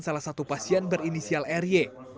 salah satu pasien berinisial r y